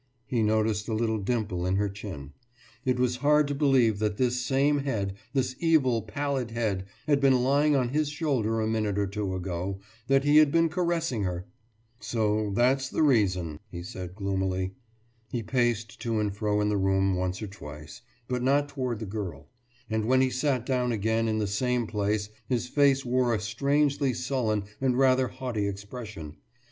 He noticed a little dimple in her chin. It was hard to believe that this same head, this evil pallid head, had been lying on his shoulder a minute or two ago, that he had been caressing her! »So that's the reason,« he said gloomily. He paced to and fro in the room once or twice, but not toward the girl; and when he sat down again in the same place his face wore a strangely sullen and rather haughty expression.